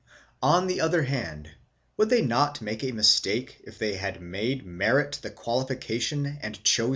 "On the other hand; would they not make a mistake, if they had made merit the qualification 297 CHAP.